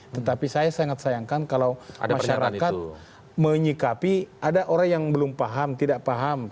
tetapi saya sangat sayangkan kalau masyarakat menyikapi ada orang yang belum paham tidak paham